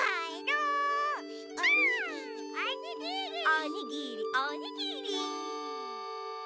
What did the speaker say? おにぎりおにぎり！